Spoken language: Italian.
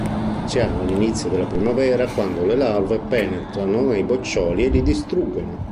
Si hanno all'inizio della primavera, quando le larve penetrano nei boccioli e li distruggono.